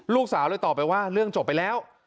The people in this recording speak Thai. ลูกสาวเลยตอบไปว่าเรื่องจบไปแล้ว